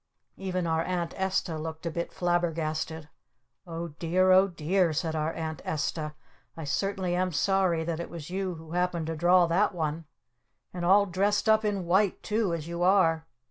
Even our Aunt Esta looked a bit flabbergasted. "Oh, dear oh, dear," said our Aunt Esta. "I certainly am sorry that it was you who happened to draw that one! And all dressed up in white too as you are!